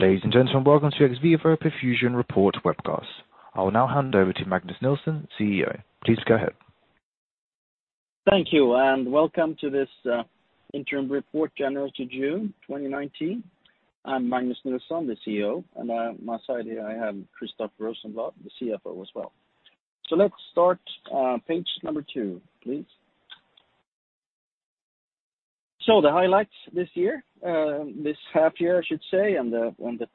Ladies and gentlemen, welcome to XVIVO Perfusion Report Webcast. I will now hand over to Magnus Nilsson, CEO. Please go ahead. Thank you, welcome to this interim report, January to June 2019. I'm Magnus Nilsson, the CEO, and by my side here, I have Christoffer Rosenblad, the CFO as well. Let's start. Page number two, please. The highlights this half year, and the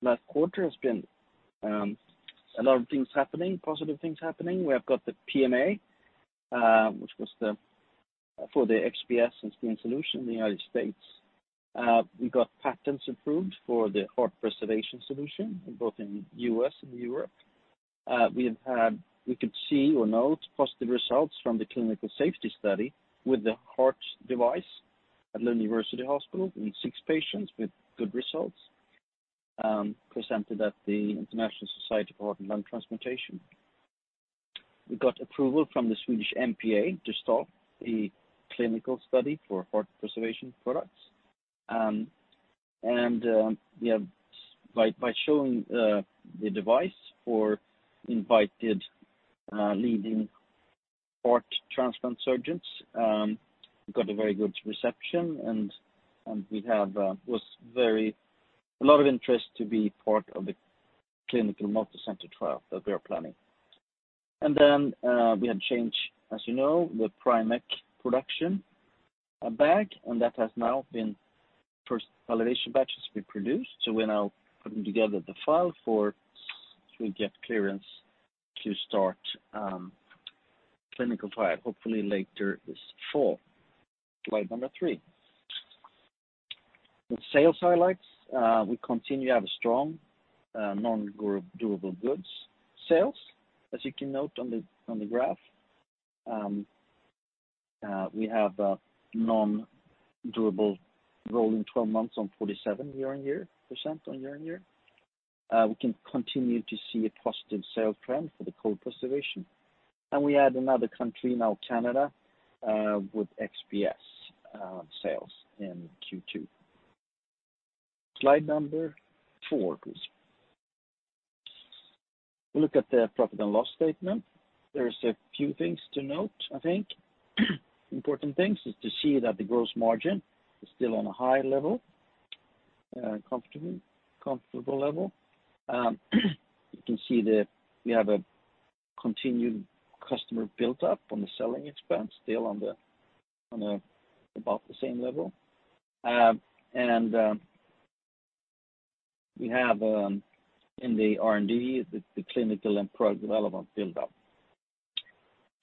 last quarter has been a lot of things happening, positive things happening. We have got the PMA, which was for the XPS and STEEN Solution in the U.S. We got patents approved for the heart preservation solution both in the U.S. and Europe. We could see or note positive results from the clinical safety study with the heart device at Lund University Hospital in six patients with good results, presented at the International Society for Heart and Lung Transplantation. We got approval from the Swedish MPA to start the clinical study for heart preservation products. By showing the device for invited leading heart transplant surgeons, we got a very good reception, and there was a lot of interest to be part of the clinical multicenter trial that we are planning. We had change, as you know, the PrimECC production bag, and the first validation batches have now been produced. We're now putting together the file for so we get clearance to start clinical trial, hopefully later this fall. Slide number three. The sales highlights. We continue to have strong non-durable goods sales, as you can note on the graph. We have a non-durable rolling 12 months on 47% year-over-year. We can continue to see a positive sales trend for the cold preservation. We add another country now, Canada, with XPS sales in Q2. Slide number four, please. We look at the profit and loss statement. There's a few things to note, I think. Important things is to see that the gross margin is still on a high level, a comfortable level. You can see that we have a continued customer built up on the selling expense, still on about the same level. We have in the R&D, the clinical and product development build-up.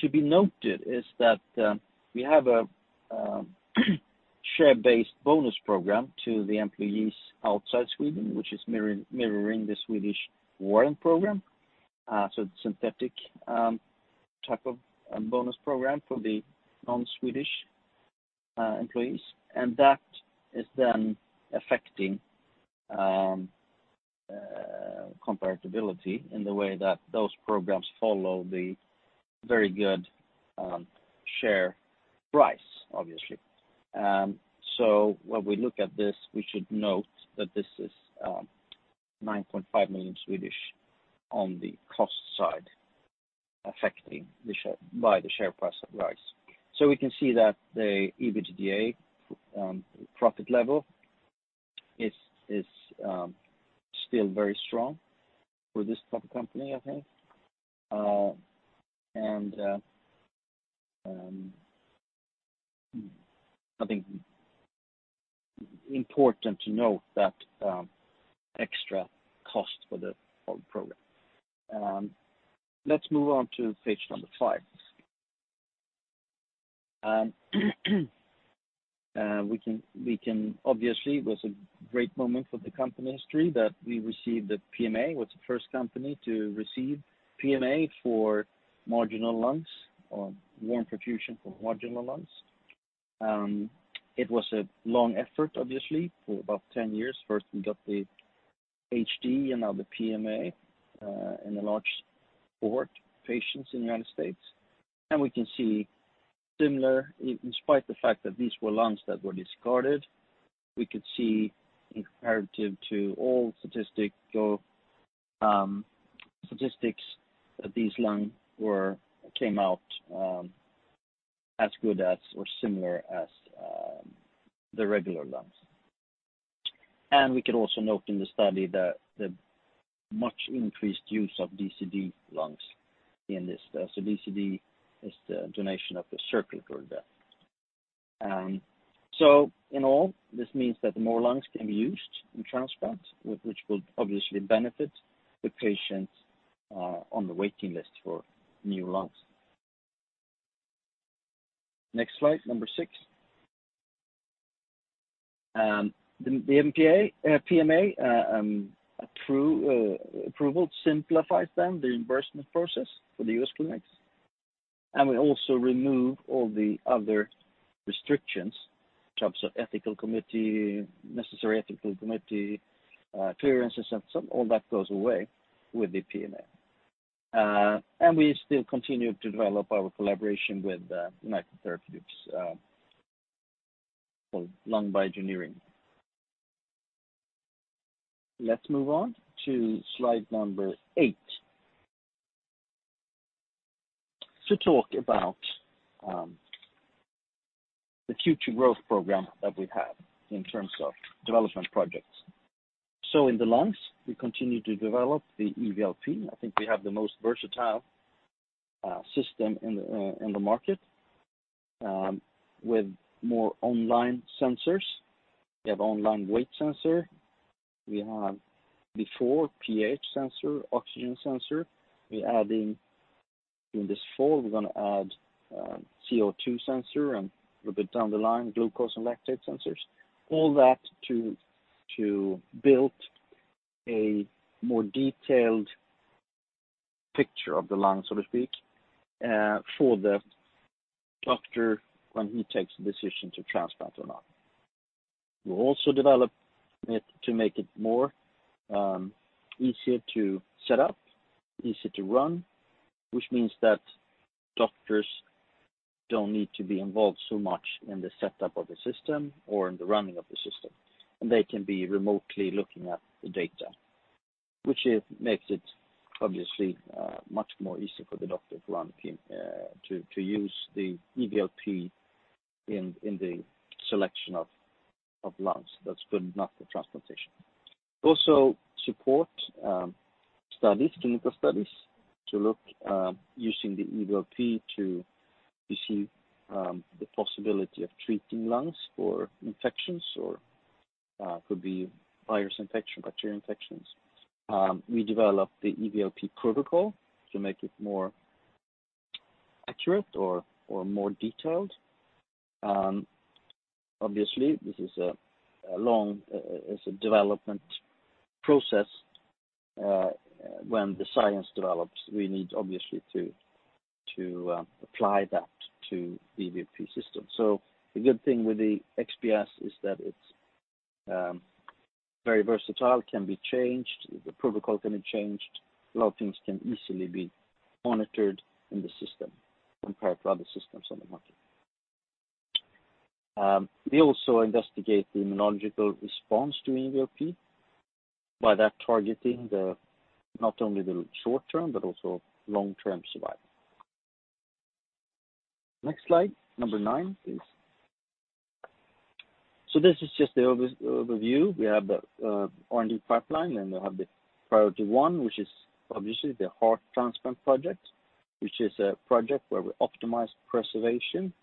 To be noted is that we have a share-based bonus program to the employees outside Sweden, which is mirroring the Swedish warrant program. It's synthetic type of bonus program for the non-Swedish employees. That is then affecting comparability in the way that those programs follow the very good share price, obviously. When we look at this, we should note that this is 9.5 million on the cost side, affecting by the share price rise. We can see that the EBITDA profit level is still very strong for this type of company, I think. I think important to note that extra cost for the whole program. Let's move on to page number five. Obviously, it was a great moment for the company history that we received the PMA, was the first company to receive PMA for marginal lungs or warm perfusion for marginal lungs. It was a long effort, obviously, for about 10 years. First, we got the HDE and now the PMA in a large cohort of patients in the U.S. We can see similar, in spite the fact that these were lungs that were discarded, we could see comparative to all statistics that these lung came out as good as or similar as the regular lungs. We could also note in the study the much increased use of DCD lungs in this. DCD is the donation after circulatory death. In all, this means that more lungs can be used in transplants, which will obviously benefit the patients on the waiting list for new lungs. Next slide, number six. The PMA approval simplifies then the reimbursement process for the U.S. clinics. We also remove all the other restrictions in terms of necessary ethical committee clearances, and all that goes away with the PMA. We still continue to develop our collaboration with United Therapeutics Lung Bioengineering. Let's move on to slide number eight, to talk about the future growth program that we have in terms of development projects. In the lungs, we continue to develop the EVLP. I think we have the most versatile system in the market with more online sensors. We have online weight sensor. We have before pH sensor, oxygen sensor. In this fall, we're going to add CO2 sensor, and a little bit down the line, glucose and lactate sensors. All that to build a more detailed picture of the lung, so to speak, for the doctor when he takes the decision to transplant or not. We also develop it to make it more easier to set up, easy to run, which means that doctors don't need to be involved so much in the setup of the system or in the running of the system. They can be remotely looking at the data, which makes it obviously much more easy for the doctor to use the EVLP in the selection of lungs that's good enough for transplantation. Also support clinical studies to look using the EVLP to see the possibility of treating lungs for infections or could be virus infection, bacteria infections. We developed the EVLP protocol to make it more accurate or more detailed. Obviously, this is a long development process. When the science develops, we need obviously to apply that to EVLP system. The good thing with the XPS is that it's very versatile, can be changed, the protocol can be changed. A lot of things can easily be monitored in the system compared to other systems on the market. We also investigate the immunological response to EVLP, by that targeting not only the short-term but also long-term survival. Next slide, number nine, please. This is just the overview. We have the R&D pipeline, we have the priority 1, which is obviously the heart transplant project, which is a project where we optimize preservation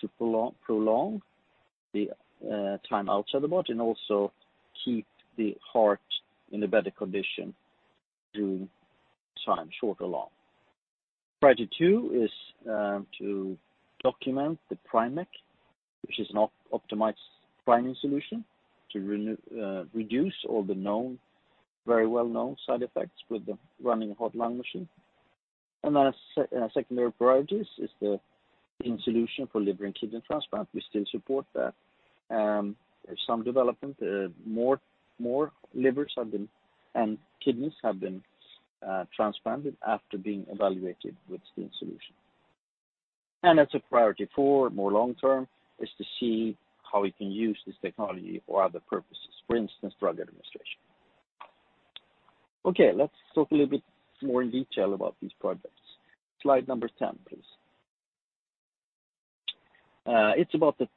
to prolong the time outside the body and also keep the heart in a better condition during time, short or long. Priority 2 is to document the PrimECC, which is an optimized priming solution to reduce all the very well-known side effects with the running heart-lung machine. Then secondary priorities is the STEEN Solution for liver and kidney transplant. We still support that. There is some development. More livers and kidneys have been transplanted after being evaluated with the STEEN Solution. As a priority 4, more long-term, is to see how we can use this technology for other purposes. For instance, drug administration. Okay, let's talk a little bit more in detail about these projects. Slide number 10, please. It is about the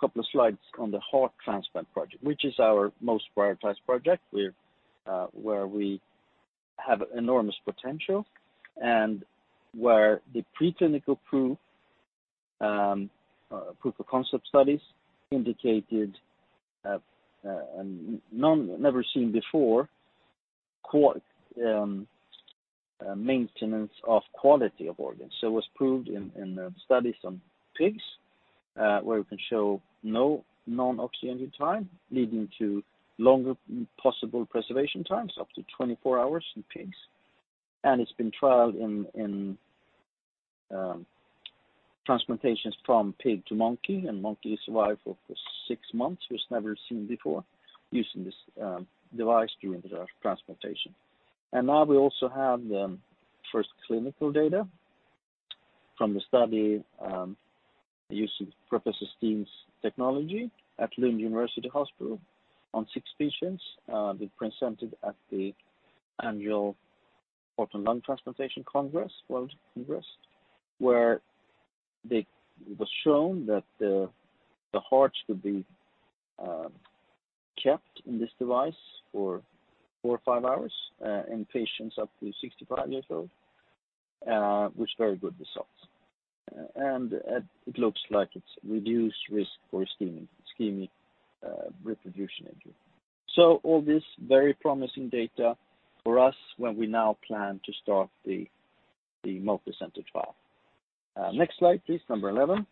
couple of slides on the heart transplant project, which is our most prioritized project, where we have enormous potential and where the preclinical proof of concept studies indicated never seen before maintenance of quality of organs. It was proved in the studies on pigs, where we can show no non-oxygenated time leading to longer possible preservation times, up to 24 hours in pigs. It has been trialed in transplantations from pig to monkey, and monkey survived for six months, which was never seen before, using this device during the transplantation. Now we also have the first clinical data from the study, using Stig Steen's technology at Lund University Hospital on six patients. They presented at the annual Heart and Lung Transplantation World Congress, where it was shown that the hearts could be kept in this device for four or five hours in patients up to 65 years old with very good results. It looks like it is reduced risk for ischemic reperfusion injury. All this very promising data for us when we now plan to start the multicenter trial. Next slide, please, number 11.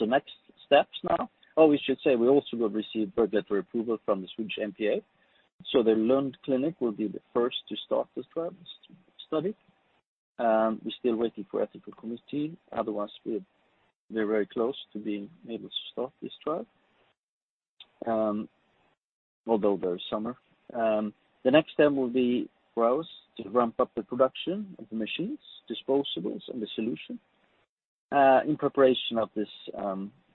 Next steps now. We should say, we also have received regulatory approval from the Swedish MPA. The Lund clinic will be the first to start this trial study. We are still waiting for ethical committee. Otherwise, we are very close to being able to start this trial. Although there is summer. The next step will be for us to ramp up the production of the machines, disposables, and the solution in preparation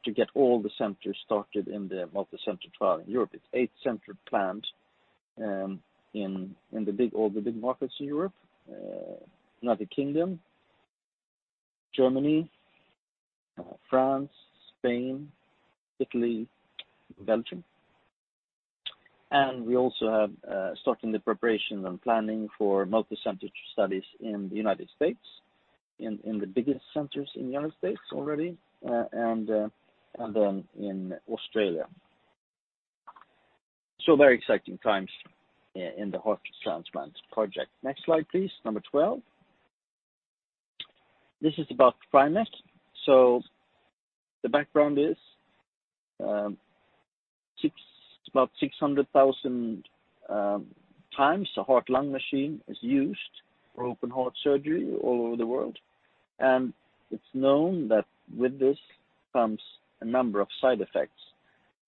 to get all the centers started in the multicenter trial in Europe. It is eight center planned in all the big markets in Europe: United Kingdom, Germany, France, Spain, Italy, Belgium. We also have starting the preparations and planning for multicenter studies in the United States, in the biggest centers in the United States already, and then in Australia. Very exciting times in the heart transplant project. Next slide, please. Number 12. This is about PrimECC. The background is, it's about 600,000 times a heart-lung machine is used for open heart surgery all over the world. It's known that with this comes a number of side effects,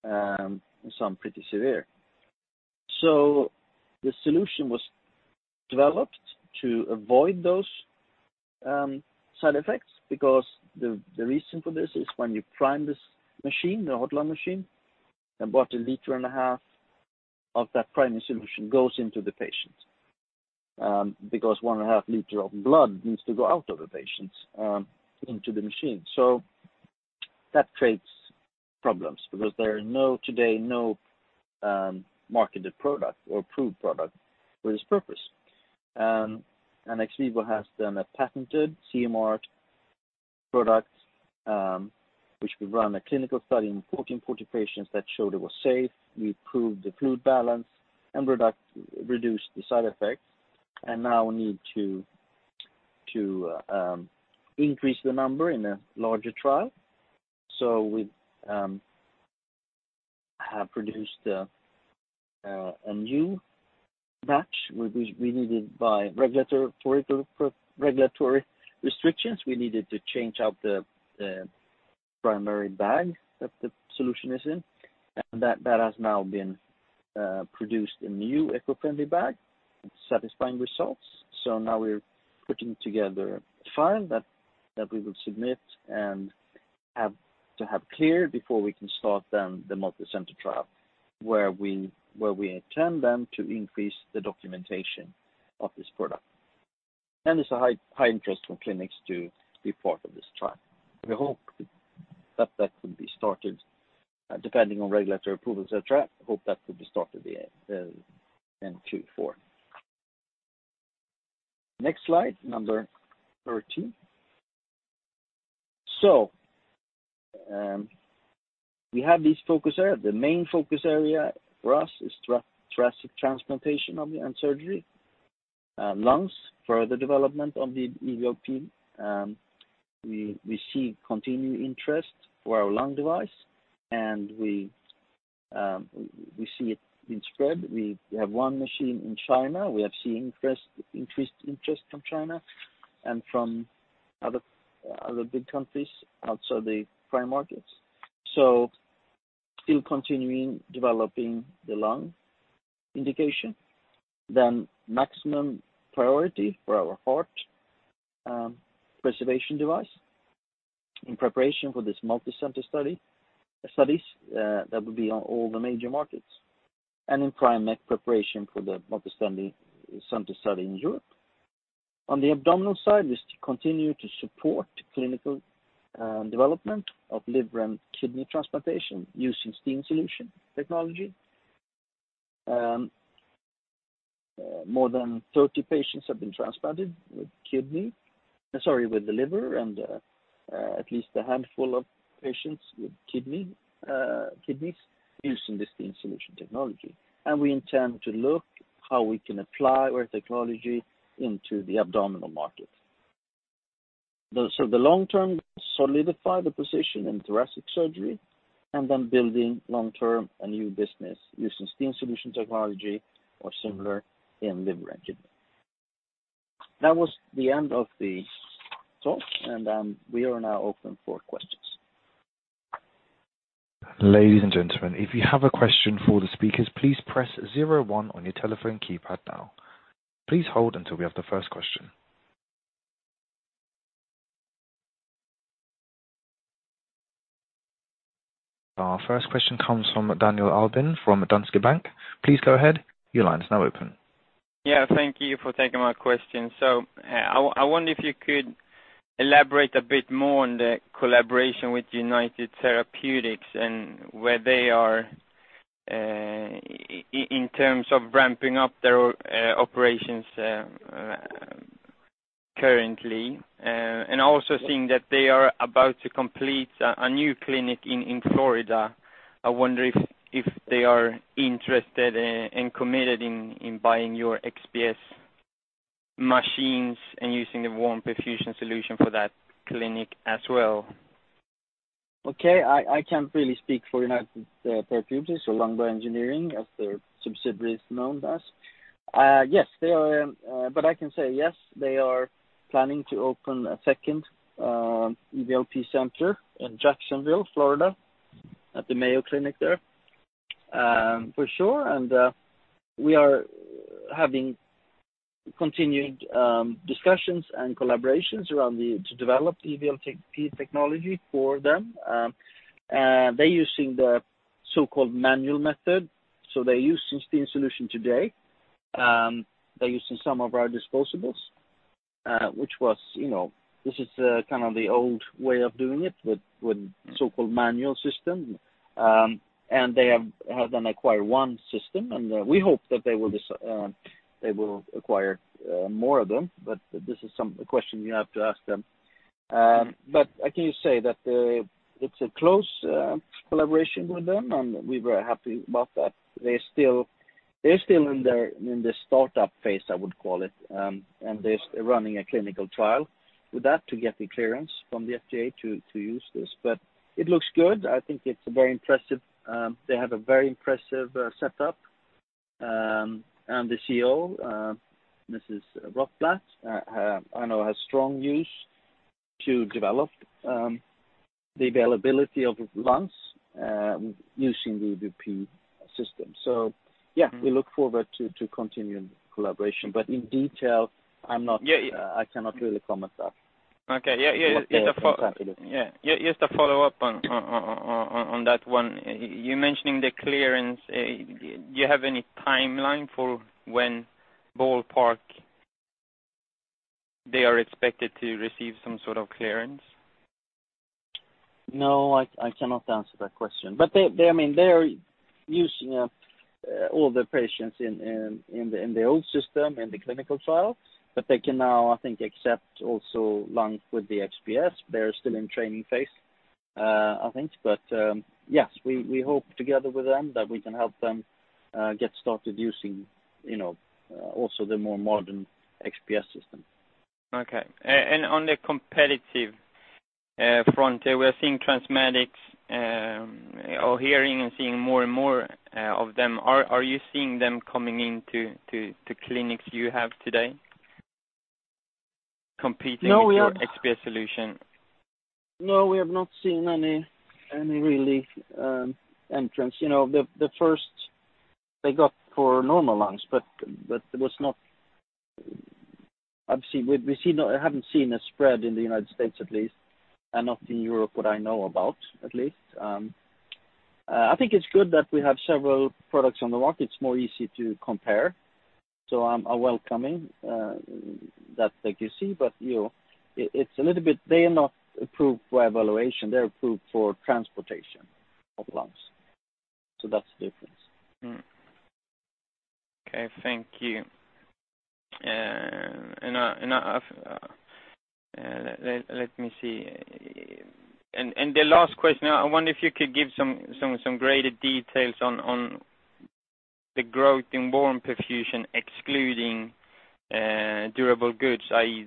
some pretty severe. The solution was developed to avoid those side effects because the reason for this is when you prime this machine, the heart-lung machine, about a liter and a half of that priming solution goes into the patient, because one and a half liter of blood needs to go out of the patient into the machine. That creates problems because there are today no marketed product or approved product for this purpose. XVIVO has then a patented CE marked product, which we run a clinical study in 40/40 patients that showed it was safe. We improved the fluid balance and reduced the side effects, now we need to increase the number in a larger trial. We have produced a new batch. We needed by regulatory restrictions, we needed to change out the primary bag that the solution is in, that has now been produced, a new eco-friendly bag. It's satisfying results. Now we're putting together a file that we will submit and to have cleared before we can start then the multicenter trial, where we intend then to increase the documentation of this product. There's a high interest from clinics to be part of this trial. We hope that that will be started, depending on regulatory approvals et cetera, hope that will be started in Q4. Next slide, number 13. We have these focus areas. The main focus area for us is thoracic transplantation and surgery. Lungs, further development of the EVLP. We see continued interest for our lung device, we see it being spread. We have one machine in China. We have seen increased interest from China and from other big countries outside the prime markets. Still continuing developing the lung indication. Maximum priority for our heart preservation device in preparation for this multicenter studies. That will be on all the major markets. In PrimECC preparation for the multicenter study in Europe. On the abdominal side is to continue to support clinical development of liver and kidney transplantation using STEEN Solution technology. More than 30 patients have been transplanted with the liver and at least a handful of patients with kidneys using the STEEN Solution technology. We intend to look how we can apply our technology into the abdominal market. The long term, solidify the position in thoracic surgery, then building long-term a new business using STEEN Solution technology or similar in liver and kidney. That was the end of the talk, we are now open for questions. Ladies and gentlemen, if you have a question for the speakers, please press 01 on your telephone keypad now. Please hold until we have the first question. Our first question comes from Daniel Albin from Danske Bank. Please go ahead. Your line is now open. Yeah. Thank you for taking my question. I wonder if you could elaborate a bit more on the collaboration with United Therapeutics and where they are in terms of ramping up their operations currently, and also seeing that they are about to complete a new clinic in Florida. I wonder if they are interested and committed in buying your XPS machines and using the warm perfusion solution for that clinic as well. Okay. I can't really speak for United Therapeutics or Lung Bioengineering as their subsidiary is known as. I can say, yes, they are planning to open a second EVLP center in Jacksonville, Florida, at the Mayo Clinic there. For sure. We are having continued discussions and collaborations around to develop EVLP technology for them. They're using the so-called manual method. They use the same solution today. They're using some of our disposables, which is the old way of doing it with so-called manual system. They have then acquired one system, and we hope that they will acquire more of them, but this is a question you have to ask them. I can say that it's a close collaboration with them, and we're very happy about that. They're still in the startup phase, I would call it. They're running a clinical trial with that to get the clearance from the FDA to use this. It looks good. I think they have a very impressive setup. The CEO, Mrs. Rothblatt, I know, has strong views to develop the availability of lungs using the EVLP system. Yeah, we look forward to continuing collaboration. In detail, I cannot really comment that. Okay. Yeah. I'm not exactly- Yeah. Just to follow up on that one. You mentioning the clearance. Do you have any timeline for when, ballpark, they are expected to receive some sort of clearance? No, I cannot answer that question. They're using all the patients in the old system, in the clinical trial. They can now, I think, accept also lungs with the XPS. They're still in training phase, I think. Yes, we hope together with them that we can help them get started using also the more modern XPS system. Okay. On the competitive front, we are seeing TransMedics, or hearing and seeing more and more of them. Are you seeing them coming into clinics you have today competing- No, we are- with your XPS solution? No, we have not seen any really entrance. The first they got for normal lungs, we haven't seen a spread in the United States, at least, and not in Europe, what I know about, at least. I think it's good that we have several products on the market. It's more easy to compare. I'm welcoming that, like you see, but they are not approved for evaluation. They're approved for transportation of lungs. That's the difference. Okay. Thank you. Let me see. The last question, I wonder if you could give some graded details on the growth in warm perfusion excluding durable goods, i.e.,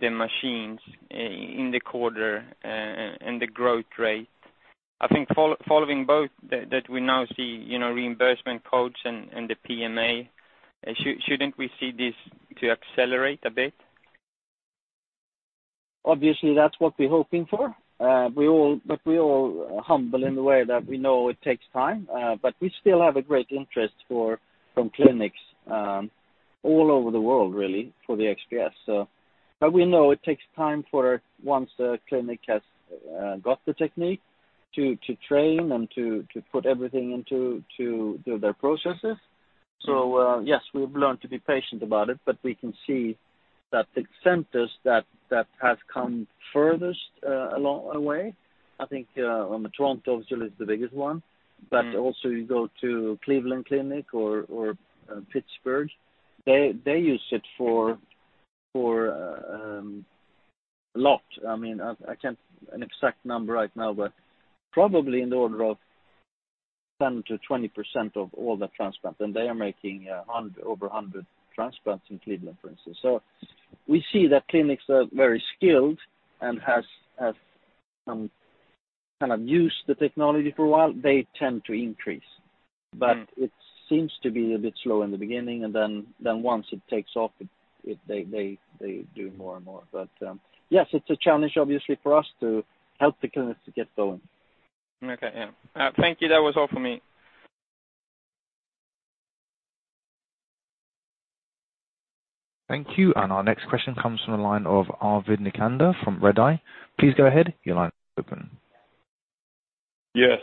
the machines in the quarter and the growth rate. I think following both that we now see reimbursement codes and the PMA. Shouldn't we see this to accelerate a bit? Obviously, that's what we're hoping for. We're all humble in the way that we know it takes time. We still have a great interest from clinics all over the world, really, for the XPS. We know it takes time for once a clinic has got the technique to train and to put everything into their processes. Yes, we've learned to be patient about it, but we can see that the centers that has come furthest along away, I think Toronto still is the biggest one. Also you go to Cleveland Clinic or Pittsburgh. They use it for a lot. I can't give an exact number right now, but probably in the order of 10%-20% of all the transplants, and they are making over 100 transplants in Cleveland, for instance. We see that clinics are very skilled and have used the technology for a while, they tend to increase. It seems to be a bit slow in the beginning, and then once it takes off they do more and more. Yes, it's a challenge, obviously, for us to help the clinics to get going. Okay. Yeah. Thank you. That was all for me. Thank you. Our next question comes from the line of Arvid Nicander from Redeye. Please go ahead. Your line is open. Yes.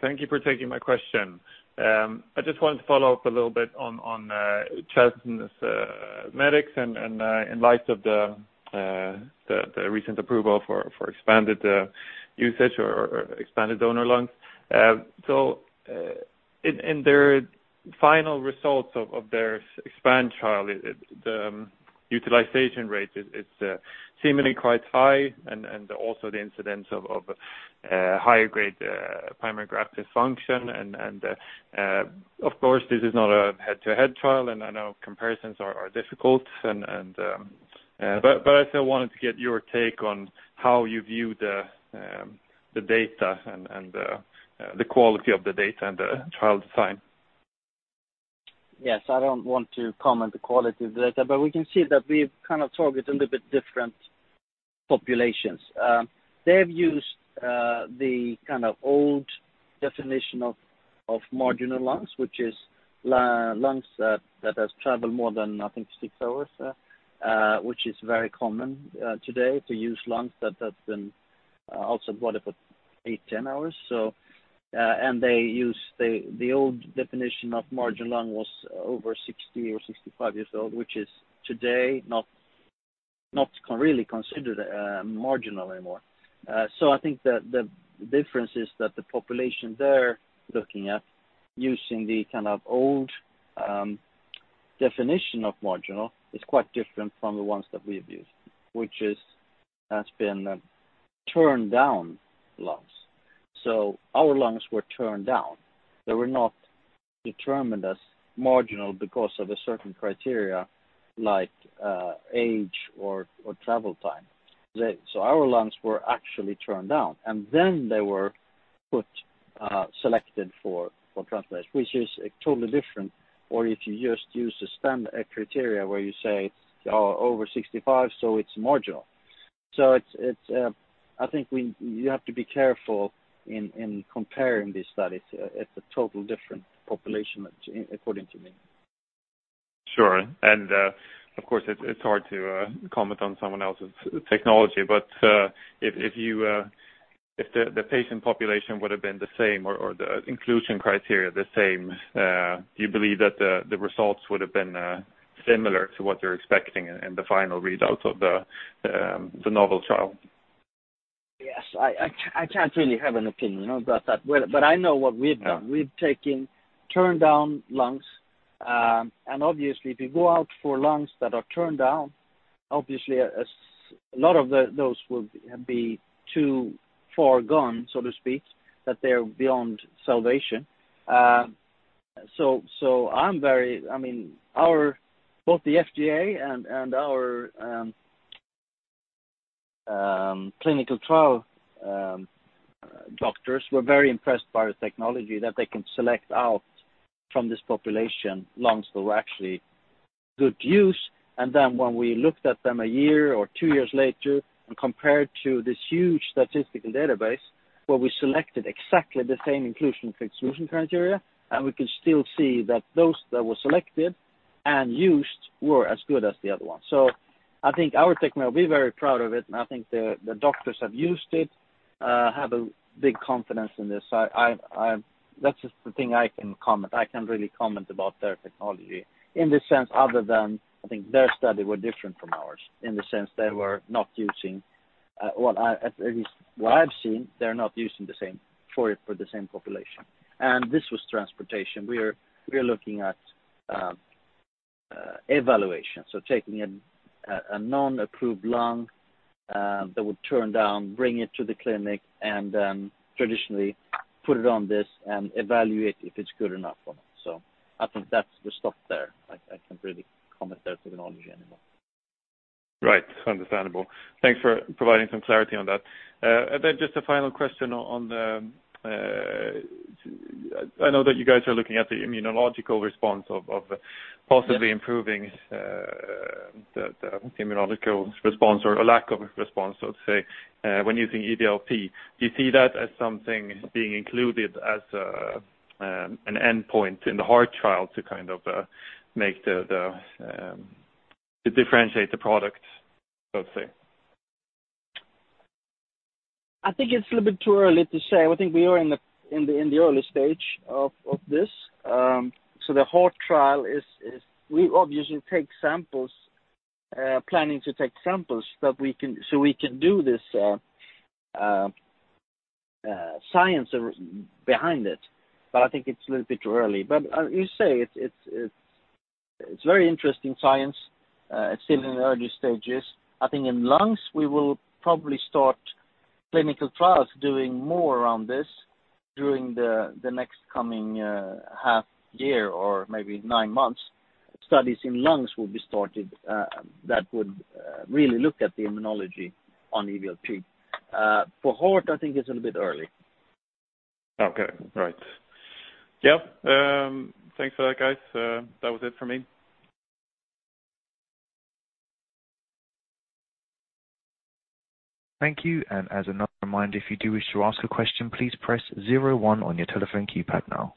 Thank you for taking my question. I just wanted to follow up a little bit on TransMedics in light of the recent approval for expanded usage or expanded donor lungs. In their final results of their EXPAND trial, the utilization rate is seemingly quite high and also the incidence of higher grade primary graft dysfunction. Of course, this is not a head-to-head trial, and I know comparisons are difficult. I still wanted to get your take on how you view the data and the quality of the data and the trial design. Yes. I don't want to comment the quality of data, we can see that we've kind of target a little bit different populations. They've used the kind of old definition of marginal lungs, which is lungs that has traveled more than, I think, six hours, which is very common today to use lungs that have been also brought up at eight, 10 hours. They used the old definition of marginal lung was over 60 or 65 years old, which is today not really considered marginal anymore. I think that the difference is that the population they're looking at using the kind of old definition of marginal is quite different from the ones that we've used, which has been turned down lungs. Our lungs were turned down. They were not determined as marginal because of a certain criteria like age or travel time. Our lungs were actually turned down, and then they were selected for transplant, which is totally different. If you just use the standard criteria where you say, over 65, it's marginal. I think you have to be careful in comparing these studies. It's a total different population according to me. Sure. Of course, it's hard to comment on someone else's technology, if the patient population would have been the same or the inclusion criteria the same, do you believe that the results would have been similar to what you're expecting in the final readouts of the NOVEL trial? Yes, I can't really have an opinion about that. I know what we've done. We've taken turned down lungs. Obviously, if you go out for lungs that are turned down, obviously, a lot of those will be too far gone, so to speak, that they're beyond salvation. Both the FDA and our clinical trial doctors were very impressed by the technology that they can select out from this population lungs that were actually good use. Then when we looked at them a year or two years later and compared to this huge statistical database, where we selected exactly the same inclusion/exclusion criteria, we could still see that those that were selected and used were as good as the other ones. I think our technology, we're very proud of it, and I think the doctors have used it, have a big confidence in this. That's just the thing I can comment. I can't really comment about their technology in the sense other than I think their study were different from ours. In the sense they were not using, at least what I've seen, they're not using for the same population. This was transplantation. We are looking at evaluation, taking a non-approved lung that would turn down, bring it to the clinic, and then traditionally put it on this and evaluate if it's good enough or not. I think that's the stop there. I can't really comment their technology anymore. Right. Understandable. Thanks for providing some clarity on that. Just a final question on the I know that you guys are looking at the immunological response of possibly improving the immunological response or lack of response, so to say, when using EVLP. Do you see that as something being included as an endpoint in the heart trial to differentiate the product, let's say? I think it's a little bit too early to say. I think we are in the early stage of this. The whole trial is we obviously take samples, planning to take samples so we can do this science behind it. I think it's a little bit too early. You say it's very interesting science. It's still in the early stages. I think in lungs, we will probably start clinical trials doing more around this during the next coming half year or maybe nine months. Studies in lungs will be started that would really look at the immunology on EVLP. For heart, I think it's a little bit early. Okay. Right. Yeah, thanks for that, guys. That was it for me. Thank you. As another reminder, if you do wish to ask a question, please press zero one on your telephone keypad now.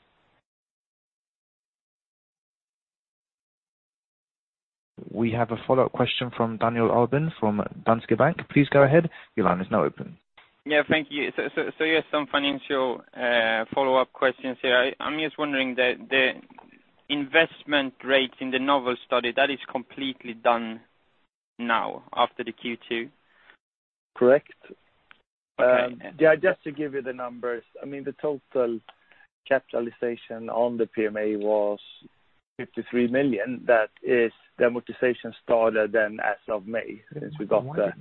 We have a follow-up question from Daniel Albin from Danske Bank. Please go ahead. Your line is now open. Thank you. Just some financial follow-up questions here. I'm just wondering, the investment rate in the NOVEL study, that is completely done now after the Q2? Correct. Just to give you the numbers, the total capitalization on the PMA was 53 million. That is, the amortization started then as of May, since we got the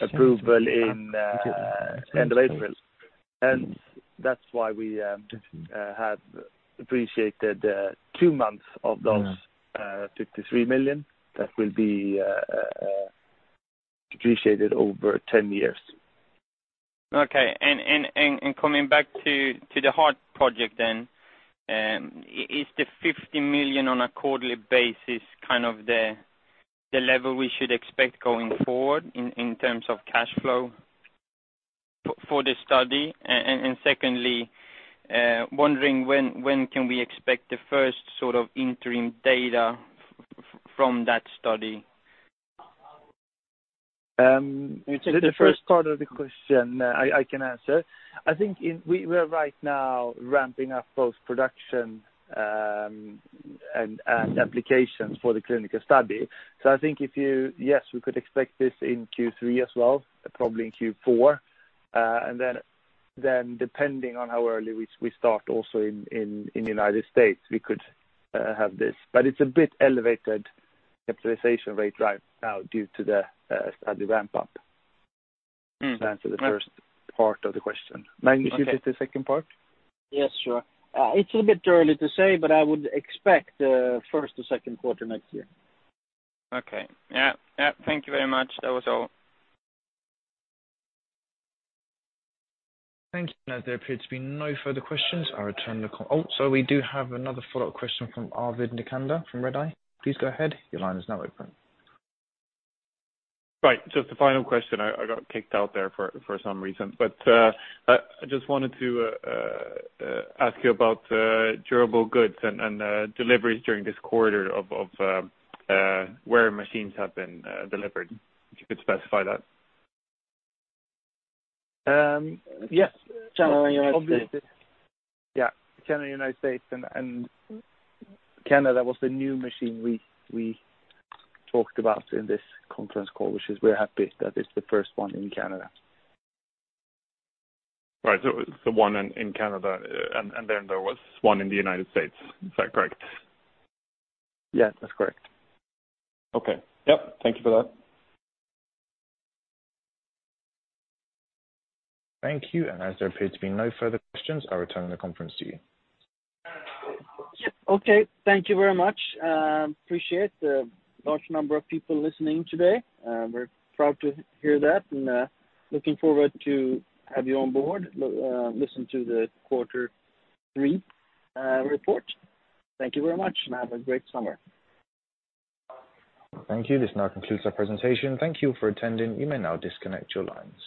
approval end of April. That's why we have appreciated two months of those 53 million that will be depreciated over 10 years. Okay. Coming back to the heart project then, is the 50 million on a quarterly basis the level we should expect going forward in terms of cash flow for this study? Secondly, wondering when can we expect the first interim data from that study? The first part of the question, I can answer. I think we're right now ramping up post-production and applications for the clinical study. I think, yes, we could expect this in Q3 as well, probably in Q4. Depending on how early we start also in the U.S., we could have this. It's a bit elevated capitalization rate right now due to the study ramp-up. To answer the first part of the question. Magnus, you take the second part? Yes, sure. It's a bit early to say, but I would expect first or second quarter next year. Okay. Yeah. Thank you very much. That was all. Thank you. There appear to be no further questions. I return the call. Oh, sorry. We do have another follow-up question from Arvid Nicander from Redeye. Please go ahead. Your line is now open. Right. Just a final question. I got kicked out there for some reason. I just wanted to ask you about durable goods and deliveries during this quarter of where machines have been delivered. If you could specify that. Yes. China and United States. China, United States, and Canada was the new machine we talked about in this conference call, which is we're happy that it's the first one in Canada. The one in Canada, and then there was one in the United States. Is that correct? Yes, that's correct. Okay. Yep. Thank you for that. As there appears to be no further questions, I return the conference to you. Okay. Thank you very much. Appreciate the large number of people listening today. We're proud to hear that and looking forward to have you on board, listen to the quarter three report. Thank you very much, and have a great summer. Thank you. This now concludes our presentation. Thank you for attending. You may now disconnect your line.